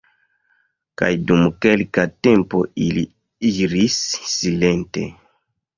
Kaj dum kelka tempo ili iris silente.